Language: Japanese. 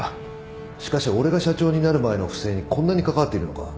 しかし俺が社長になる前の不正にこんなに関わっているのか。